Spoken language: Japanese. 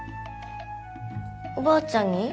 おばあちゃんに？